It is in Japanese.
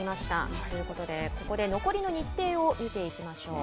ということでここで残りの日程を見ていきましょう。